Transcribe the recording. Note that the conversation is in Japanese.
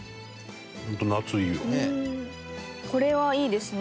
これはいいですね。